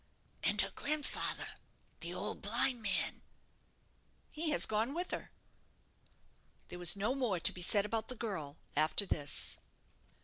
"And her grandfather, the old blind man?" "He has gone with her." There was no more to be said about the girl after this.